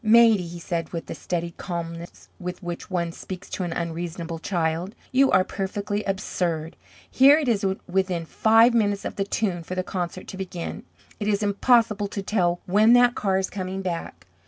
"Maidie," he said, with the studied calmness with which one speaks to an unreasonable child, "you are perfectly absurd. Here it is within five minutes of the tune for the concert to begin. It is impossible to tell when that car is coming back.